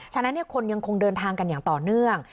ฉะนั้นคนยังคงเดินทางกันอย่างต่อเนื่อง